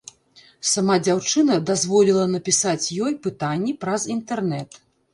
Сама дзяўчына дазволіла напісаць ёй пытанні праз інтэрнэт.